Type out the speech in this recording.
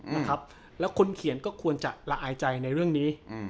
นะครับแล้วคนเขียนก็ควรจะละอายใจในเรื่องนี้อืม